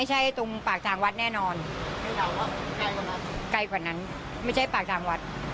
ใกล้กว่านั้นไม่ใช่ปากทางวัด